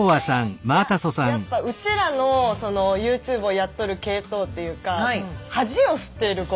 いややっぱうちらのＹｏｕＴｕｂｅをやっとる系統っていうか恥を捨てること。